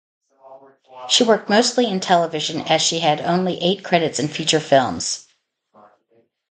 She worked mostly in television as she had only eight credits in feature films.